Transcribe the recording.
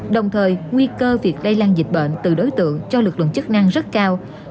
đồng thời nguy cơ việc lây lan dịch bệnh từ đối tượng cho lực lượng chức năng rất cao